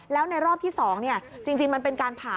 แล้วในรอบที่๒จริงมันเป็นการผ่า